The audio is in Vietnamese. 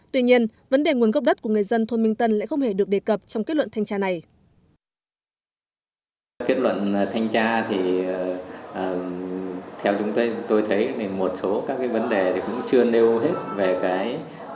tuy nhiên vấn đề nguồn gốc đất của người dân thôn minh tân lại không hề được đề cập trong kết luận thanh tra này